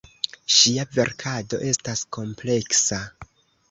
Ŝia verkado estas kompleksa.